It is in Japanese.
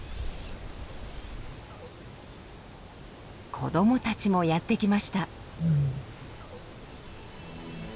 子どもたちもやって来ました。